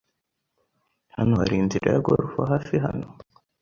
Hano hari inzira ya golf hafi hano?